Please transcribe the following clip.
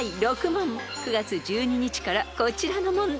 ［９月１２日からこちらの問題］